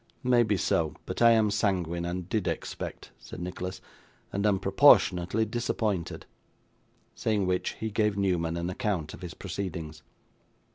'Maybe so, but I am sanguine, and did expect,' said Nicholas, 'and am proportionately disappointed.' Saying which, he gave Newman an account of his proceedings.